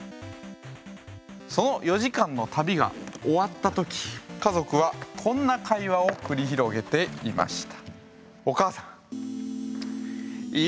その４時間の旅が終わった時家族はこんな会話を繰り広げていました。